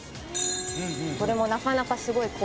「これもなかなかすごい勾配で」